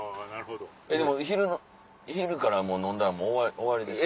えっでも昼からもう飲んだらもう終わりです。